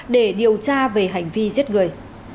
để điều tra về hành vi giết người